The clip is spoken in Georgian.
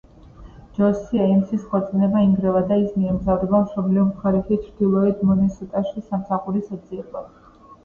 ჯოსი ეიმსის ქორწინება ინგრევა და ის მიემგზავრება მშობლიურ მხარეში, ჩრდილოეთ მინესოტაში სამსახურის საძიებლად.